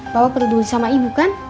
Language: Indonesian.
bapak perlu duit sama ibu kan